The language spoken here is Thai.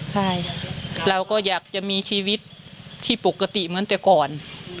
ใช่เราก็อยากจะมีชีวิตที่ปกติเหมือนแต่ก่อน